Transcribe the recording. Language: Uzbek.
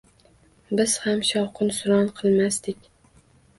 Biz ham shovqin-suron qilmasdik.